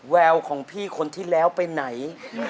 แววของพี่คนที่แล้วไปไหน